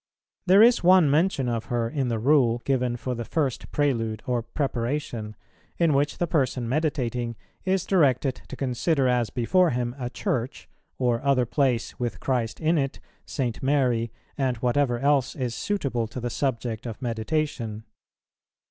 There is one mention of her in the rule given for the first Prelude or preparation, in which the person meditating is directed to consider as before him a church, or other place with Christ in it, St. Mary, and whatever else is suitable to the subject of meditation.